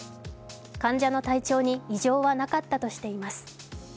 患者の体調に異常はなかったとしています。